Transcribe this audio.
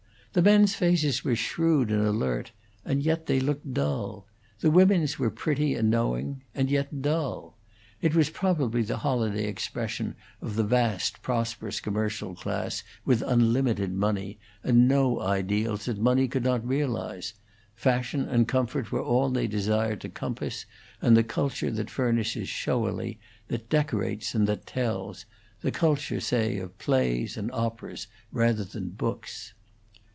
The men's faces were shrewd and alert, and yet they looked dull; the women's were pretty and knowing, and yet dull. It was, probably, the holiday expression of the vast, prosperous commercial class, with unlimited money, and no ideals that money could not realize; fashion and comfort were all that they desired to compass, and the culture that furnishes showily, that decorates and that tells; the culture, say, of plays and operas, rather than books.